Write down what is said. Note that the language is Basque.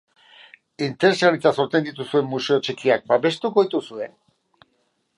Interesgarritzat jo dituzten museo txikiak babestuko dituzue?